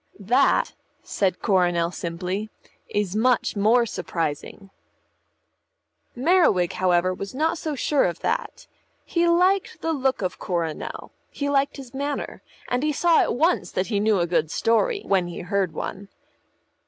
"That," said Coronel simply, "is much more surprising." Merriwig, however, was not so sure of that. He liked the look of Coronel, he liked his manner, and he saw at once that he knew a good story when he heard one.